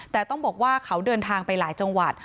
แต่ต้องบอกว่าเขาเดินทางไปหลายจังหวัด